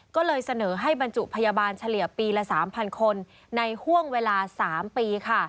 ก็เลยเสนอให้บรรจุพยาบาลเฉลี่ยปีละ๓๐๐คนในห่วงเวลา๓ปีค่ะ